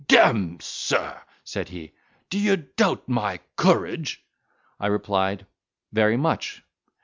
"D—me, sir!" said he, "d'ye doubt my courage?" I replied, "Very much."